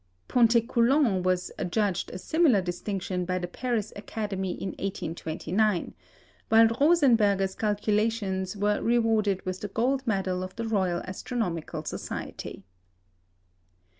Pontécoulant was adjudged a similar distinction by the Paris Academy in 1829; while Rosenberger's calculations were rewarded with the gold medal of the Royal Astronomical Society.